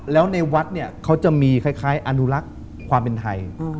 แล้วในวัดเนี่ยเขาจะมีคล้ายอนุรักษ์ความเป็นไทย